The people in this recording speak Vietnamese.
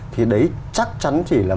thì đấy chắc chắn chỉ là